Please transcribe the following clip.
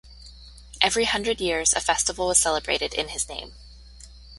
Every hundred years, a festival was celebrated in his name.